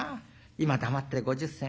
今黙ってて５０銭。